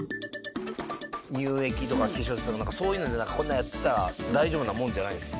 乳液とか化粧水とか何かそういうのでこんなやってたら大丈夫なもんじゃないんですか？